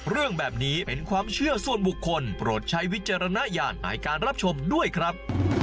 เรื่องแบบนี้เป็นความเชื่อส่วนบุคคลโปรดใช้วิจารณญาณในการรับชมด้วยครับ